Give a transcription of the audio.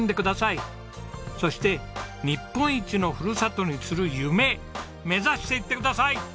そして日本一のふるさとにする夢目指していってください。